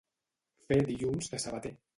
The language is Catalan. Fer dilluns de sabater.